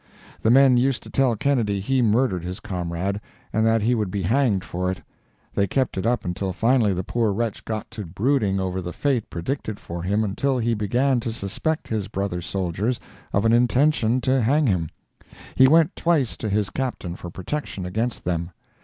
The men used to tell Kennedy he murdered his comrade, and that he would be hanged for it; they kept it up until finally the poor wretch got to brooding over the fate predicted for him until he began to suspect his brother soldiers of an intention to hang him. He went twice to his Captain for protection against them.